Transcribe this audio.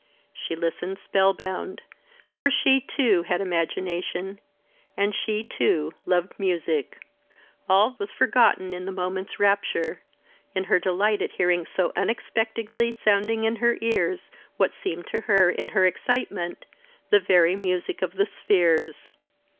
She listened spellbound for she, too, had imagination, and she, too, loved music. All was forgotten in the moment's rapture in her delight at hearing so unexpectedly sounding in her ears, what seemed to her, in her excitement, the very music of the spheres.